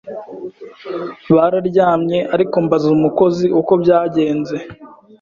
bararymye ariko mbaza umukozi uko byagenze